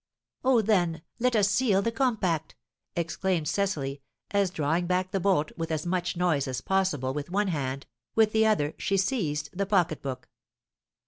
"Oh, then, let us seal the compact!" exclaimed Cecily, as, drawing back the bolt with as much noise as possible with one hand, with the other she seized the pocketbook.